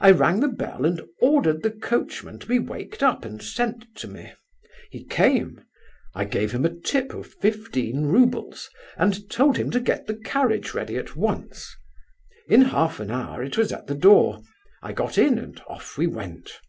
I rang the bell and ordered the coachman to be waked up and sent to me. He came. I gave him a tip of fifteen roubles, and told him to get the carriage ready at once. In half an hour it was at the door. I got in and off we went.